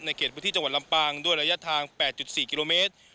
เขตพื้นที่จังหวัดลำปางด้วยระยะทาง๘๔กิโลเมตร